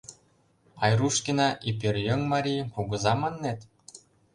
Айрушкина....и пӧръеҥ, марий, кугыза, маннет?